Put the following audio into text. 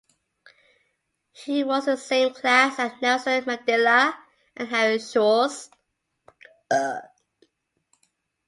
He was in the same class as Nelson Mandela and Harry Schwarz.